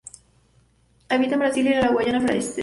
Habita en Brasil y en la Guayana francesa.